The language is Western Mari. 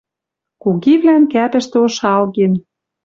Кугивлӓн кӓпӹштӹ ошалген.